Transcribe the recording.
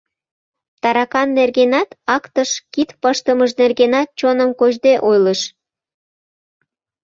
Таракан нергенат, актыш кид пыштымыж нергенат чоным кочде ойлыш.